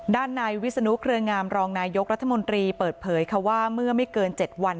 ด้านนายวิศนุเครืองามรองนายกรัฐมนตรีเปิดเผยค่ะว่าเมื่อไม่เกิน๗วัน